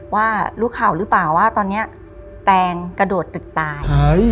ว่ารู้ข่าวหรือเปล่าว่าตอนนี้แตงกระโดดตึกตาย